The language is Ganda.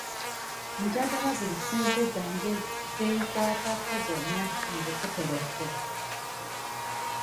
Njagala buli ssente zange ze nkwatako zonna nzikuterese.